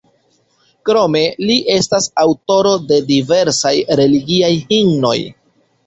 Krome li estas aŭtoro de diversaj religiaj himnoj.